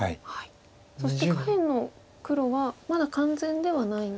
そして下辺の黒はまだ完全ではないんでしょうか。